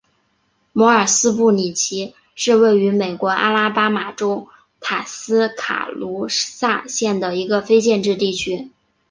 摩尔斯布里奇是位于美国阿拉巴马州塔斯卡卢萨县的一个非建制地区。